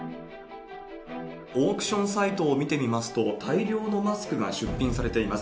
オークションサイトを見てみますと、大量のマスクが出品されています。